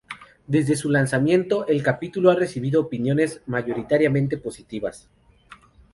Desde su lanzamiento, el capítulo ha recibido opiniones mayoritariamente positivas.